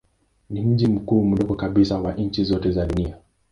Ni mji mkuu mdogo kabisa wa nchi zote za dunia.